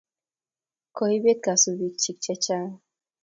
koibet kasubikyi chechang